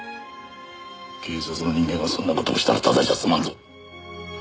警察の人間がそんな事をしたらただじゃ済まんぞ。